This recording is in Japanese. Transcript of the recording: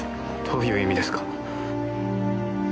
どういう意味ですか？